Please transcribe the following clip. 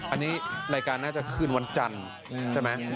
อันนี้รายการน่าจะคืนวันจันทร์ใช่ไหม